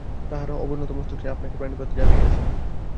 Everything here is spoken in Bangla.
তাঁহারা অবনতমস্তকে আপনাকে প্রণিপাত জানাইয়াছেন।